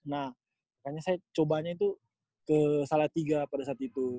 nah kayaknya saya cobanya itu ke salah tiga pada saat itu